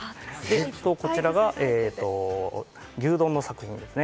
こちらが牛丼の作品です。